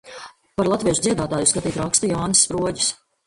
Par latviešu dziedātāju skatīt rakstu Jānis Sproģis.